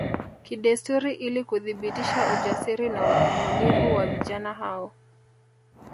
Kidesturi ili kuthibitisha ujasiri na uvumilivu wa vijana wao